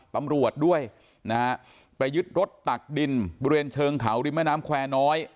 ตำรวจด้วยนะฮะไปยึดรถตักดินบริเวณเชิงเขาริมแม่น้ำแควร์น้อย